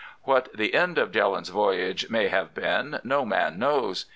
What the end of Jelland's voyage may have been no man knows.